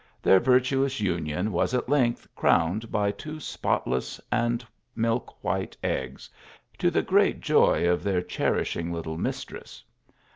Their virtuous union was at length crowned by two spotless and milk white eggs, to the great joy of their cherishing little mistress.